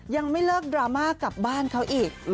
ยังไม่เลิกดราม่ากลับบ้านเขาอีก